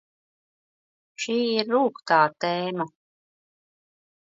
Šī ir rūgtā tēma...